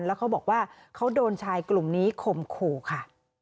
แล้วเขาบอกว่าเขาโดนชายกลุ่มนี้ข่มขู่ค่ะ